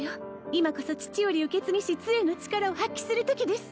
今こそ父より受け継ぎし杖の力を発揮するときです